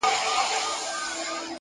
هره هڅه د هویت برخه جوړوي!